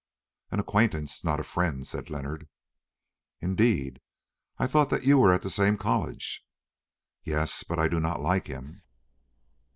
"An acquaintance, not a friend," said Leonard. "Indeed, I thought that you were at the same college." "Yes, but I do not like him."